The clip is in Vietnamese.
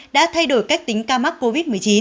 đã thay đổi cách tính ca mắc covid một mươi chín